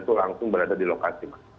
itu langsung berada di lokasi mas